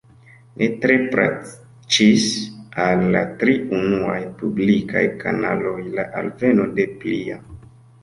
Ne tre plaĉis al la tri unuaj publikaj kanaloj la alveno de plia.